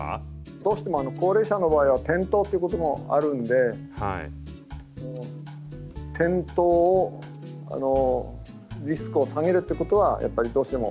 どうしても高齢者の場合は転倒っていうこともあるんで転倒をリスクを下げるっていうことはやっぱりどうしても。